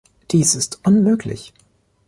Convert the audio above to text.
Dies ist unmöglich!